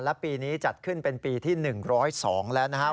และปีนี้จัดขึ้นเป็นปีที่๑๐๒แล้วนะครับ